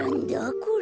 これ。